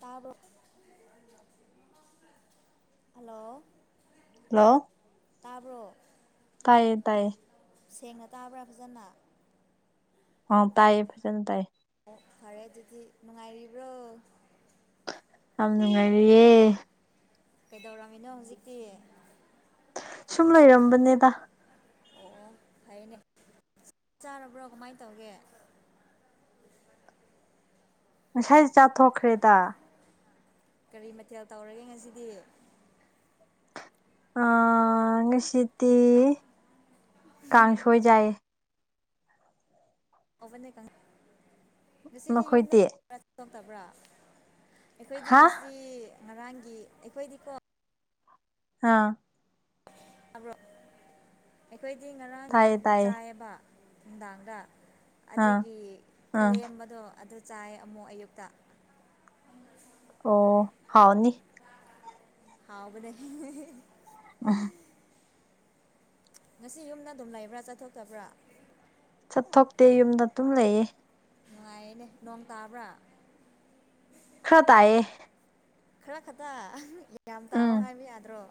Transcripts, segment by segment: ꯇꯥꯕ꯭ꯔꯣ hello hello ꯇꯥꯕ꯭ꯔꯣ ꯇꯥꯏꯌꯦ ꯇꯥꯏꯌꯦ ꯁꯦꯡꯅ ꯇꯥꯕ꯭ꯔꯥ ꯐꯖꯅ ꯑꯥ ꯇꯥꯏꯌꯦ ꯐꯅ ꯇꯥꯏꯌꯦ ꯑꯣ ꯐꯔꯦ ꯑꯗꯨꯗꯤ ꯅꯨꯡꯉꯥꯏꯔꯤꯕ꯭ꯔꯣ꯫ ꯌꯥꯝ ꯅꯨꯡꯉꯥꯏꯔꯤꯌꯦ꯫ ꯀꯩꯗꯧꯔꯝꯃꯤꯅꯣ ꯍꯧꯖꯤꯛꯇꯤ꯫ ꯁꯨꯝ ꯂꯩꯔꯝꯕꯅꯦꯗ꯫ ꯑꯣ ꯐꯩꯅꯦ ꯆꯥꯛ ꯆꯥꯔꯕ꯭ꯔꯣ ꯀꯃꯥꯏꯅ ꯇꯧꯒꯦ꯫ ꯉꯁꯥꯏ ꯆꯥꯊꯣꯛꯈ꯭ꯔꯦꯗ꯫ ꯀꯔꯤ ꯃꯊꯦꯜ ꯇꯧꯔꯒꯦ ꯉꯁꯤꯗꯤ꯫ ꯑ ꯉꯁꯤꯗꯤ ꯀꯥꯡꯁꯣꯏ ꯆꯥꯏꯌꯦ꯫ [unintelligible] ꯉꯁꯤꯗꯤ ꯌꯨꯝꯗ ꯅꯈꯣꯏꯗꯤ [unintelligible] ꯑꯩꯈꯣꯏꯗꯤ ꯍꯥ ꯉꯁꯤ ꯉꯔꯥꯡꯒꯤ ꯑꯩꯈꯣꯏꯗꯤꯀꯣ ꯑꯥ꯫ ꯇꯥꯕ꯭ꯔꯣ ꯑꯩꯈꯣꯏꯗꯤ ꯉꯔꯥꯡ ꯇꯥꯏꯌꯦ ꯌꯦꯟ ꯇꯥꯏꯌꯦ ꯆꯥꯏꯌꯦꯕ ꯅꯨꯡꯗꯥꯡꯗ꯫ ꯑꯥ ꯑꯗꯨꯒꯤ ꯑꯥ ꯈꯂꯦꯝꯕꯗꯣ ꯑꯗꯨ ꯆꯥꯏ ꯑꯃꯨꯛ ꯑꯌꯨꯛꯇ꯫ ꯑꯣ ꯍꯥꯎꯅꯤ꯫ ꯍꯥꯎꯕꯅꯦ [unintelligible] ꯉꯁꯤ ꯌꯨꯝꯗ ꯑꯗꯨꯝ ꯂꯩꯕ꯭ꯔꯥ ꯆꯠꯊꯣꯛꯇꯕ꯭ꯔꯥ꯫ ꯆꯠꯊꯣꯛꯇꯦ ꯌꯨꯝꯗ ꯑꯗꯨꯝ ꯂꯩꯌꯦ꯫ ꯅꯨꯡꯉꯥꯏꯌꯦꯅꯦ ꯅꯣꯡ ꯇꯥꯕ꯭ꯔꯥ꯫ ꯈꯔ ꯇꯥꯏꯌꯦ꯫ ꯈꯔ ꯈꯛꯇ ꯌꯥꯝ ꯎꯝ ꯇꯥꯑꯣ ꯍꯥꯏꯕ ꯌꯥꯗ꯭ꯔꯣ꯫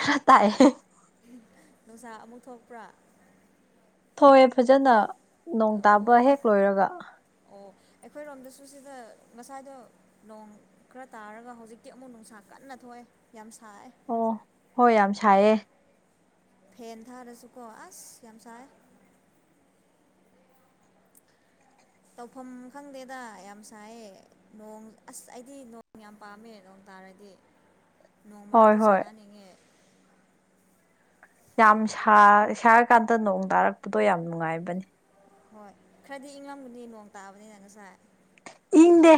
ꯈꯔ ꯇꯥꯏ ꯍꯦ ꯅꯨꯡꯁꯥ ꯑꯃꯨꯛ ꯊꯣꯛꯄ꯭ꯔꯥ꯫ ꯊꯣꯛꯑꯦ ꯐꯖꯅ ꯅꯣꯡ ꯇꯥꯕ ꯑꯣ ꯍꯦꯛ ꯂꯣꯏꯔꯒ꯫ ꯑꯣ ꯑꯩꯈꯣꯏꯔꯣꯝꯗꯁꯨ ꯁꯤꯗ ꯉꯁꯥꯏꯗꯣ ꯅꯣꯡ ꯈꯔ ꯇꯥꯔꯒ ꯍꯧꯖꯤꯛꯇꯤ ꯑꯃꯨꯛ ꯅꯨꯡꯁꯥ ꯀꯟꯅ ꯊꯣꯛꯑꯦ ꯌꯥꯝ ꯁꯥꯏꯌꯦ꯫ ꯑꯣ ꯍꯣꯏ ꯌꯥꯝ ꯁꯥꯏꯌꯦ꯫ ꯐꯦꯟ ꯊꯥꯔꯁꯨꯀꯣ ꯑꯁ ꯌꯥꯝ ꯁꯥꯏꯌꯦ꯫ ꯇꯧꯐꯝ ꯈꯪꯗꯦꯗ ꯌꯥꯝ ꯁꯥꯏꯌꯦ꯫ ꯅꯣꯡ ꯑꯁ ꯑꯩꯗꯤ ꯅꯣꯡ ꯌꯥꯝ ꯄꯥꯝꯃꯦ ꯅꯣꯡ ꯇꯥꯔꯗꯤ꯫ ꯅꯣꯡ ꯍꯣꯏ ꯃꯔꯛꯇ ꯍꯣꯏ ꯁꯥꯟꯅꯅꯤꯡꯉꯦ꯫ ꯌꯥꯝ ꯁꯥ ꯁꯥꯔꯀꯥꯟꯗ ꯅꯣꯡ ꯇꯥꯔꯛꯄꯗꯣ ꯌꯥꯝ ꯅꯨꯡꯉꯥꯏꯕꯅꯤ꯫ ꯍꯣꯏ ꯈꯔꯗꯤ ꯏꯪꯉꯝꯒꯅꯤ ꯅꯣꯡ ꯇꯥꯕꯅꯤꯅ ꯉꯁꯥꯏ꯫ ꯏꯪꯗꯦ꯫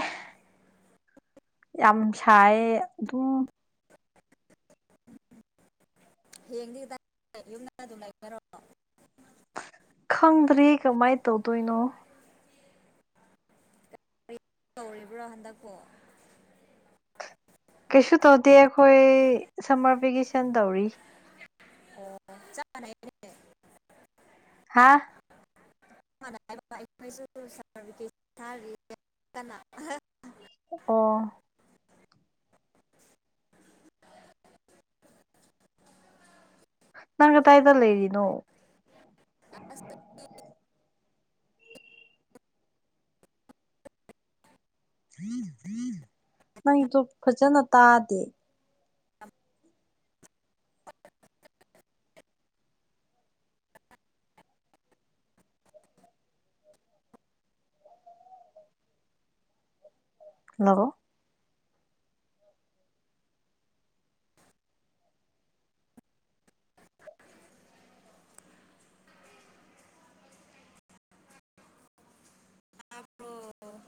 ꯌꯥꯝ ꯁꯥꯏꯌꯦ ꯑꯗꯨꯝ꯫ ꯍꯌꯦꯡꯗꯤ [unintelligible] ꯌꯨꯝꯗ ꯑꯗꯨꯝ ꯂꯩ [unintelligible] ꯈꯪꯗ꯭ꯔꯤ ꯀꯃꯥꯏꯅ ꯇꯧꯗꯣꯏꯅꯣ꯫ ꯇꯧꯔꯤꯕ꯭ꯔꯣ ꯍꯟꯗꯛꯄꯣ꯫ ꯀꯩꯁꯨ ꯇꯧꯗꯦ ꯑꯩꯈꯣꯏ ꯁꯝꯃꯔ ꯚꯦꯀꯦꯁꯟ ꯇꯧꯔꯤ꯫ ꯑꯣ [unintelligible] ꯍꯥꯥꯎ꯫ [unintelligible] ꯑꯣ꯫ ꯅꯪ ꯀꯗꯥꯏꯗ ꯂꯩꯔꯤꯅꯣ꯫ [unintelligible] ꯅꯪꯗꯣ ꯐꯖꯅ ꯇꯥꯗꯦ꯫ ꯍꯂꯣ [unintelligible]